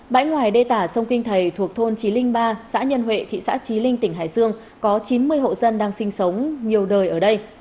bãi ngoài đê tả sông kinh thầy thuộc thôn trí linh ba xã nhân huệ thị xã trí linh tỉnh hải dương có chín mươi hộ dân đang sinh sống nhiều đời ở đây